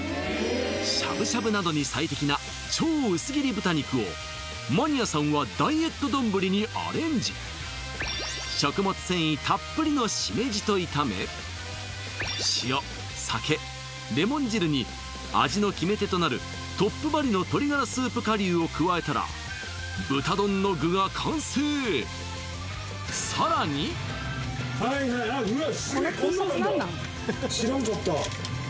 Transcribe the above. しゃぶしゃぶなどに最適な超うす切り豚肉をマニアさんはダイエットどんぶりにアレンジ食物繊維たっぷりのしめじと炒め塩酒レモン汁に味の決め手となるトップバリュの鶏がらスープ顆粒を加えたら豚丼の具が完成はいはいうわ